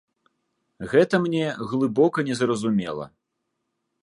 Гэта мне глыбока незразумела.